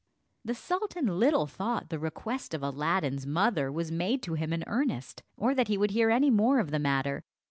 The sultan little thought the request of Aladdin's mother was made to him in earnest, or that he would hear any more of the matter.